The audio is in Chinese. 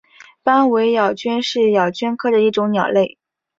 斑尾咬鹃是咬鹃科的一种鸟类。